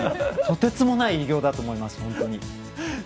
とてつもない偉業だと思います。